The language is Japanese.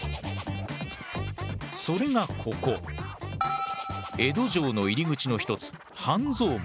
それがここ江戸城の入り口の一つ半蔵門。